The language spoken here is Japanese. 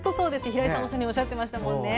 平井さんもおっしゃってましたよね。